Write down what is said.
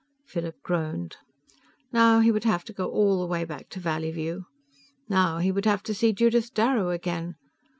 Philip groaned. Now he would have to go all the way back to Valleyview. Now he would have to see Judith Darrow again.